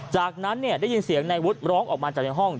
จากนั้นได้ยินเสียงนายวุฒิร้องออกมาจากในห้อง